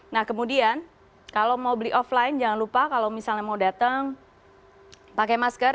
nah kemudian kalau mau beli offline jangan lupa kalau misalnya mau datang pakai masker